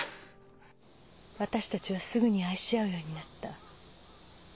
私たちはすぐに愛し合うようになった。